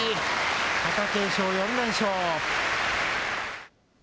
貴景勝４連勝。